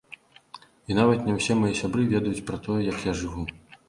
І нават не ўсе мае сябры ведаюць пра тое, як я жыву.